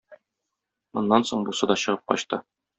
Моннан соң бусы да чыгып качты.